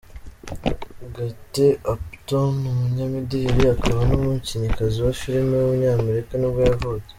Kate Upton, umunyamideli akaba n’umukinnyikazi wa filime w’umunyamerika nibwo yavutse.